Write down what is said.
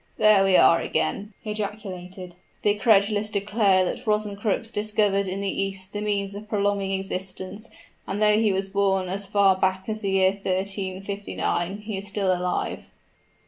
"There we are again!" he ejaculated. "The credulous declare that Rosencrux discovered in the East the means of prolonging existence, and though he was born as far back as the year 1359, he is still alive."